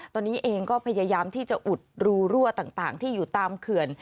ตอนนี้เองก็พยายามที่จะอุดรูรั่วต่างที่อยู่ตามเขื่อน